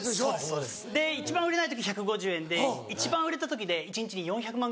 そうです一番売れない時１５０円で一番売れた時で一日で４００万ぐらい。